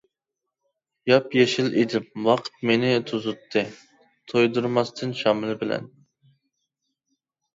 ياپيېشىل ئىدىم، ۋاقىت مېنى توزۇتتى، تۇيدۇرماستىن شامىلى بىلەن.